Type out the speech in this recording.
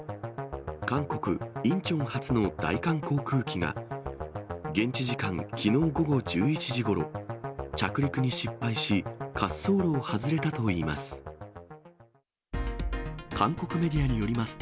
韓国・インチョン発の大韓航空機が、現地時間きのう午後１１時ごろ、着陸に失敗し、滑走路を外れたといいます。